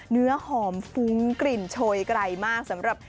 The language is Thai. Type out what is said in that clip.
เนื้อหอมฟุ้งกลิ่นโชยไกลมากสำหรับ